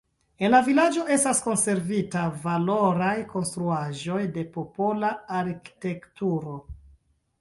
En la vilaĝo estas konservitaj valoraj konstruaĵoj de popola arkitekturo.